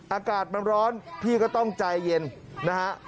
อากาศมันร้อนพี่ก็ต้องใจเย็นนะฮะ